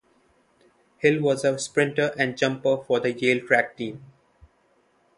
Hill was a sprinter and jumper for the Yale track team.